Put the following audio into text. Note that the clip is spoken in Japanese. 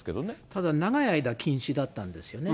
ただ、長い間禁止だったんですよね。